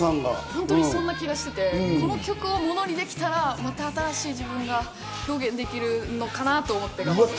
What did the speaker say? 本当にそんな気がしていて、この曲をモノにできたらまた新しい自分が表現できるのかなと思っています。